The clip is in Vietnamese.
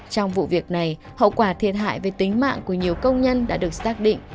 trong vụ việc này hậu quả thiệt hại về tính mạng của nhiều công nhân đã được xác định